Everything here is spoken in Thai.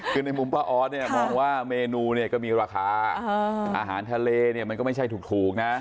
คือในมุมป่าออดมองว่าเมนูก็มีราคาอาหารทะเลมันก็ไม่ใช่ถูกนะ